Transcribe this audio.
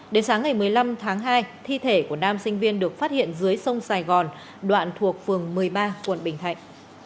đến sáng ngày một mươi năm tháng hai thi thể của nam sinh viên được phát hiện dưới sông sài gòn đoạn thuộc phường một mươi ba quận bình thạnh